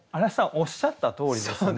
おっしゃったとおりですね。